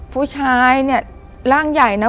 ผู้ชายเนี่ยร่างใหญ่เนอ